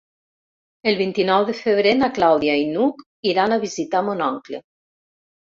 El vint-i-nou de febrer na Clàudia i n'Hug iran a visitar mon oncle.